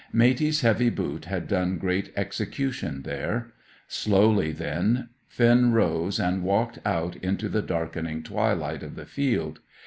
Matey's heavy boot had done great execution there. Slowly, then, Finn rose, and walked out into the darkening twilight of the field.